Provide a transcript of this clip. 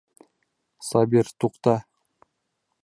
Сабир, туҡта!